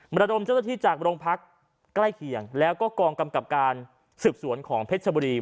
ระดมเจ้าหน้าที่จากโรงพักใกล้เคียงแล้วก็กองกำกับการสืบสวนของเพชรชบุรี